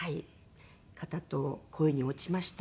方と恋に落ちまして。